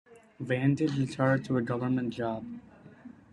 Vantage retired to a government job.